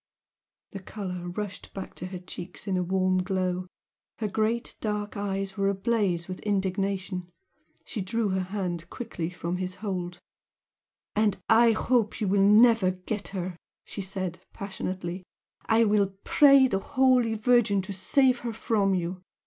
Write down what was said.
The colour rushed back to her cheeks in a warm glow her great dark eyes were ablaze with indignation. She drew her hand quickly from his hold. "And I hope you will never get her!" she said, passionately "I will pray the Holy Virgin to save her from you!